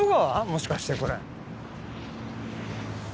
もしかしてこれ。